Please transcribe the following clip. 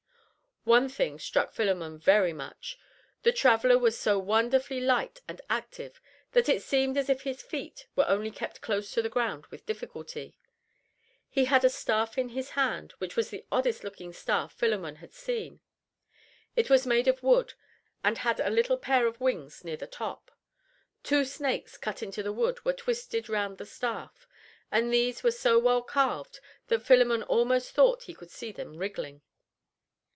One thing struck Philemon very much, the traveler was so wonderfully light and active that it seemed as if his feet were only kept close to the ground with difficulty. He had a staff in his hand which was the oddest looking staff Philemon had seen. It was made of wood and had a little pair of wings near the top. Two snakes cut into the wood were twisted round the staff, and these were so well carved that Philemon almost thought he could see them wriggling.